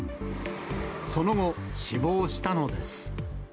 その後、死亡したのです。